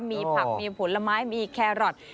มีผักมีผลไม้มีแครอท